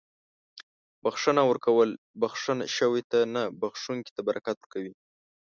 • بښنه ورکول بښل شوي ته نه، بښونکي ته برکت ورکوي.